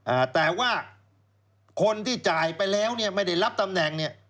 อ่าแต่ว่าคนที่จ่ายไปแล้วเนี่ยไม่ได้รับตำแหน่งเนี้ย